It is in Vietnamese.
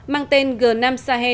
mang tên g năm sahel